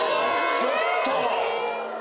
ちょっと！